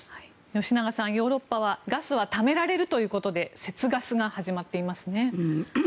吉永さん、ヨーロッパはガスはためられるということで節ガスが始まっていますね。